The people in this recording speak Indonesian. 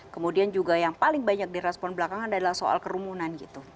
kemudian juga yang paling banyak direspon belakangan adalah soal kerumunan gitu